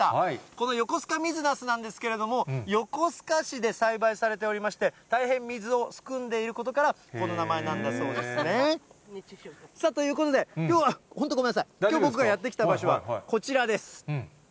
このよこすか水なすなんですけれども、横須賀市で栽培されておりまして、大変水を含んでいることから、この名前なんだそうですね。ということで、きょうは、本当、ごめんなさい、きょう僕がやって来た場所はこちらです。